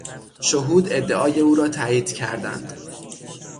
شهود ادعای او را تایید کردند.